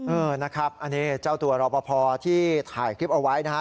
เออนะครับอันนี้เจ้าตัวรอปภที่ถ่ายคลิปเอาไว้นะฮะ